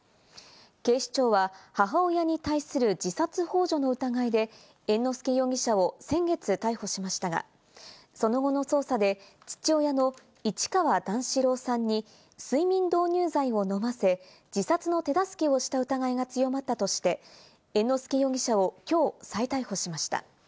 警視庁は母親に対する自殺ほう助の疑いで猿之助容疑者を先月逮捕しましたが、その後の捜査で父親の市川段四郎さんに睡眠導入剤を飲ませ、自殺の手助けをした疑いが強まったとして、猿之助容疑者をきょう再逮捕しました。